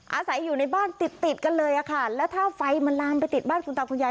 อาศัยอยู่ในบ้านติดติดกันเลยอะค่ะแล้วถ้าไฟมันลามไปติดบ้านคุณตาคุณยาย